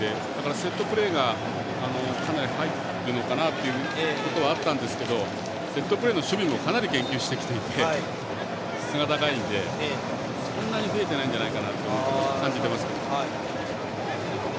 セットプレーがかなり入ってくるのかなってところはあったんですけどセットプレーの守備もかなり研究してきていて質が高いのでそんなに増えてないんじゃないかと感じてます。